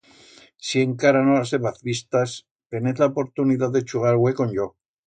Si encara no las hébaz vistas, tenez la oportunidat de chugar hue con yo.